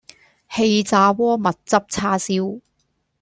氣炸鍋蜜汁叉燒